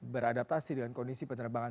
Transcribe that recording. beradaptasi dengan kondisi penerbangan